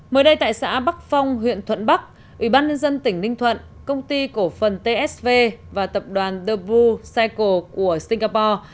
mới đây tại xã bắc phong huyện thuận bắc ủy ban nhân dân tỉnh ninh thuận công ty cổ phần tsv và tập đoàn the blue cycle của singapore